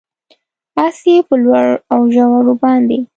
اس یې په لوړو اوژورو باندې،